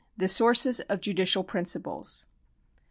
The Sources of Judicial Principles.